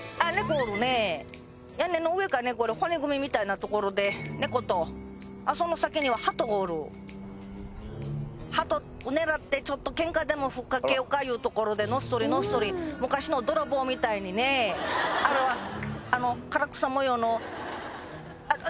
猫おるね屋根の上かねこれ骨組みみたいなところで猫とその先にはハトがおるハトを狙ってちょっとケンカでもふっかけようかいうところでのっそりのっそり昔の泥棒みたいにねあの唐草模様のあっ！